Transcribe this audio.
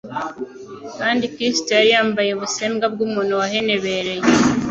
Kandi Kristo yari yambaye ubusembwa bw'umuntu wahenebereye.